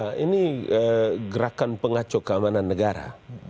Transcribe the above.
nah ini gerakan pengacau keamanan negara